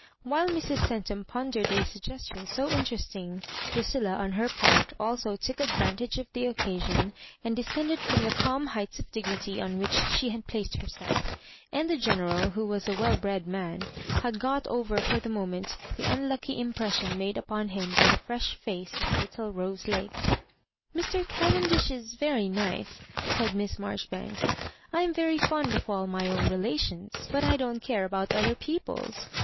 While Mrs. Centum pondered a sug gestion so interesting, Lucilla, on her part, also took advantage of the occasion, and descended from the calm heights of dignity on which she had placed herself And the General, who was a well bred man, had got over for the moment the unlucky impression made upon him by the fresh face of little Rose Lake. *' Mr. Cavendish is very nice," said Miss Mar joribanks. I am v€(ry fond of all my own re lations, but I don't care about other people's.